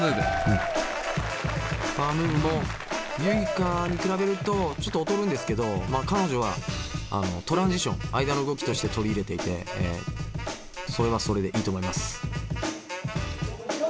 パワームーブもＹｕｉｋａに比べるとちょっと劣るんですけど彼女はトランジション間の動きとして取り入れていてそれはそれでいいと思います。